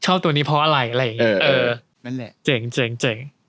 ตัวนี้เพราะอะไรอะไรอย่างนี้เออนั่นแหละเจ๋งเจ๋งเจ๋ง